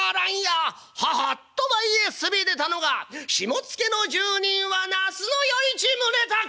ははあと前へ進み出たのが下野の住人は那須与一宗隆」。